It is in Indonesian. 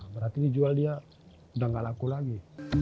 berarti dijual dia udah gak laku lagi